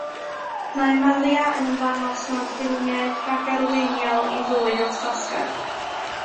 Mae Maria yn ymddangos mewn ffilmiau rhagarweiniol i ddwy o'r tasgau.